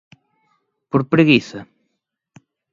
Por preguiza?